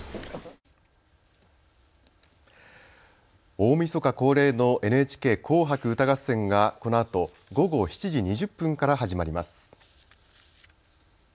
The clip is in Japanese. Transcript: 大みそか恒例のＮＨＫ紅白歌合戦が、このあと、午後７時２０分から始まります。